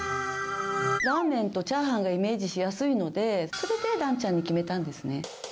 ラーメンとチャーハンがイメージしやすいので、それで、ランちゃんに決めたんですね。